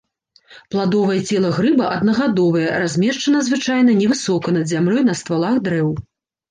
Пладовае цела грыба аднагадовае, размешчана звычайна невысока над зямлёй на ствалах дрэў.